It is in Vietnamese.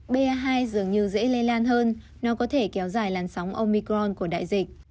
ba dường như dễ lây lan hơn nó có thể kéo dài làn sóng omicron của đại dịch